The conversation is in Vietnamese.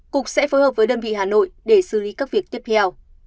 cục sẽ phối hợp với đơn vị hà nội để xử lý các việc tiếp theo